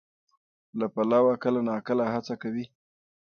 له پلوه کله ناکله هڅه کوي،